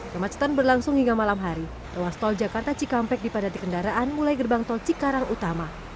kemacetan berlangsung hingga malam hari ruas tol jakarta cikampek dipadati kendaraan mulai gerbang tol cikarang utama